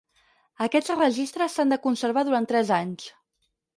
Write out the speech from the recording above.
Aquests registres s'han de conservar durant tres anys.